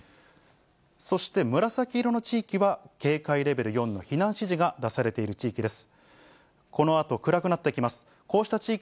そして紫色の地域は、警戒レベル４の避難指示が出されている地域です。